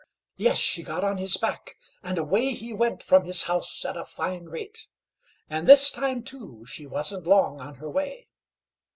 Yes! she got on his back, and away he went from his house at a fine rate. And this time, too, she wasn't long on her way.